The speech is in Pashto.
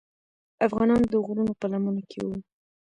افغانان د غرونو په لمنو کې وو.